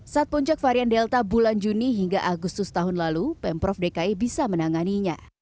saat puncak varian delta bulan juni hingga agustus tahun lalu pemprov dki bisa menanganinya